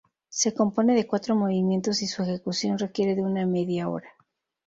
Se compone de cuatro movimientos y su ejecución requiere de una media hora.